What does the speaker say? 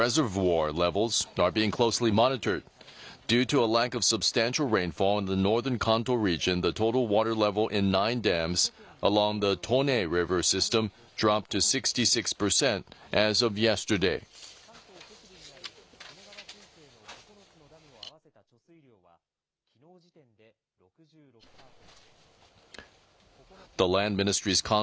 雨が少なかったため関東北部にある利根川水系の９つのダムを合わせた貯水量はきのう時点で６６％。